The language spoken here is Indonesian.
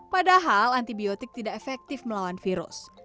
padahal antibiotik tidak efektif melawan virus